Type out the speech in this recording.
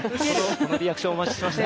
このリアクションお待ちしてました。